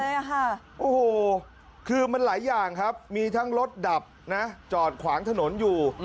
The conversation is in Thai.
โอ้โหคือมันหลายอย่างครับมีทั้งรถดับนะจอดขวางถนนอยู่